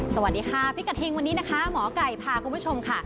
สวัสดีค่ะพิกัดเฮงวันนี้นะคะหมอไก่พาคุณผู้ชมค่ะ